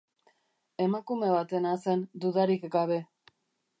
Emakume batena zen, dudarik gabe.